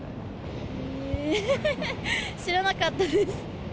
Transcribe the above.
えー、知らなかったです。